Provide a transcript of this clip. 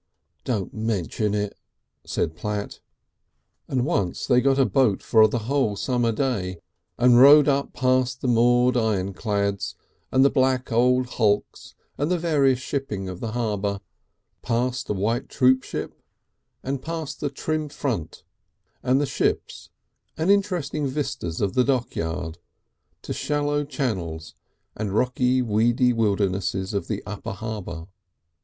"Don't mention it," said Platt. And once they got a boat for the whole summer day, and rowed up past the moored ironclads and the black old hulks and the various shipping of the harbour, past a white troopship and past the trim front and the ships and interesting vistas of the dockyard to the shallow channels and rocky weedy wildernesses of the upper harbour.